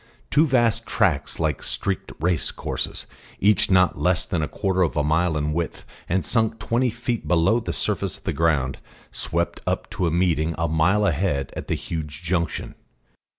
Two vast tracks like streaked race courses, each not less than a quarter of a mile in width, and sunk twenty feet below the surface of the ground, swept up to a meeting a mile ahead at the huge junction.